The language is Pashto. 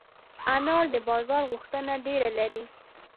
انار د بازار غوښتنه ډېره لري.